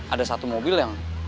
ada satu mobil yang